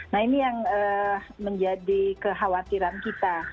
nah ini yang menjadi kekhawatiran kita